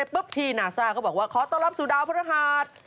ที่นาซ่าก็บอกว่าขอต้อนรับสู่ดาวพระหัส